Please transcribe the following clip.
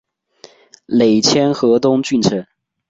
累迁河东郡丞。